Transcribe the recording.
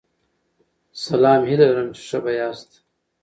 سلام هیله لرم چی ښه به یاست